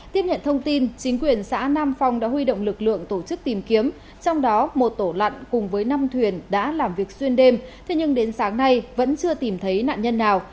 tiếp nhận thông tin chính quyền xã nam phong đã huy động lực lượng tổ chức tìm kiếm trong đó một tổ lặn cùng với năm thuyền đã làm việc xuyên đêm thế nhưng đến sáng nay vẫn chưa tìm thấy nạn nhân nào